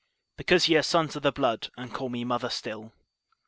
Because ye are Sons of the Blood and call me Mother still."